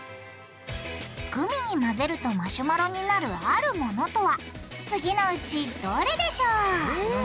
グミに混ぜるとマシュマロになるあるものとは次のうちどれでしょう？え？